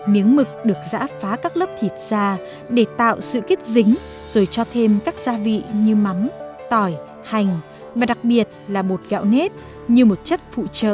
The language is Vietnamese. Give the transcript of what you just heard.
miếng mực được giã phá các lớp thịt ra để tạo sự kết dính rồi cho thêm các gia vị như mắm tỏi hành và đặc biệt là bột gạo nếp như một chất phụ trợ cho món ăn